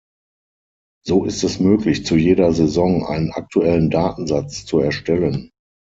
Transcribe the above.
So ist es möglich, zu jeder Saison einen aktuellen Datensatz zu erstellen.